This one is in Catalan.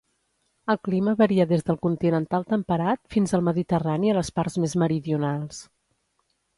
El clima varia des del continental temperat fins al mediterrani a les parts més meridionals.